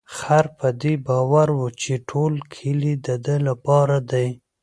خر په دې باور و چې ټول کلي د ده لپاره دی.